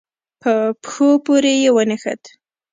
په پښو پورې يې ونښت.